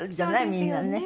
みんなね。